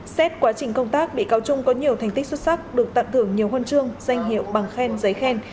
xét quá trình công tác bị cáo trung có nhiều thành tích xuất sắc được tặng thưởng nhiều huân chương danh hiệu bằng khen giấy khen